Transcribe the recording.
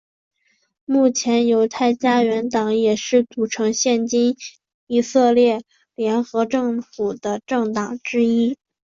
目前犹太家园党也是组成现今以色列联合政府的政党之一。